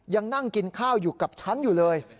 ยังนั่งกินข้าวอยู่กับฉันอยู่เลย